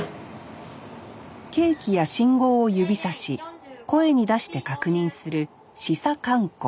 計器や信号を指さし声に出して確認する「指差喚呼」